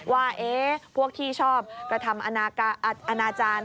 ว่าพวกที่ชอบกระทำอนาจารย์